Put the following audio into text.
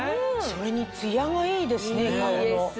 それに艶がいいですね顔の。